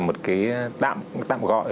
một cái tạm gọi